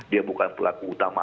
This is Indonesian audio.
dia bukan pelaku utama